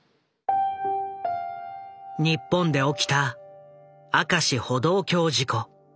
日本で起きた明石歩道橋事故。